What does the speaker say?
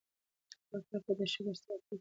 پاک رب ته د شکر سر ټیټ کړئ.